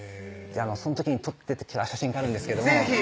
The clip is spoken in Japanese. その時に撮ってきた写真があるんですけど是非！